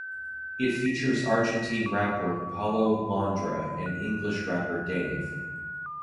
It features Argentine rapper Paulo Londra and English rapper Dave.